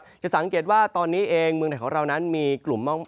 ขนาดนี้นะครับจะสังเกตว่าตอนนี้เองเมืองไทยของเรานั้นมีกลุ่ม